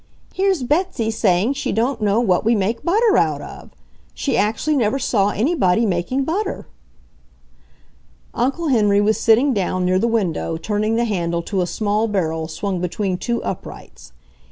Here's Betsy saying she don't know what we make butter out of! She actually never saw anybody making butter!" Uncle Henry was sitting down, near the window, turning the handle to a small barrel swung between two uprights.